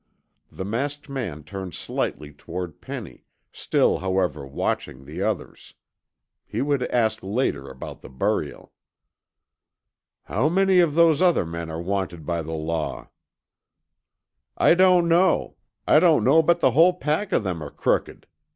The masked man turned slightly toward Penny, still however watching the others. He would ask later about the burial. "How many of those other men are wanted by the law?" "I don't know. I don't know but the whole pack of them are crooked.